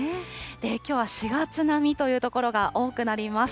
きょうは４月並みという所が多くなります。